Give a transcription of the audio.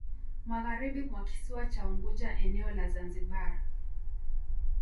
Magharibi mwa kisiwa cha Unguja eneo la Zanzibar